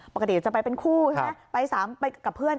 ปกติจะไปเป็นคู่ใช่ไหมไป๓ไปกับเพื่อน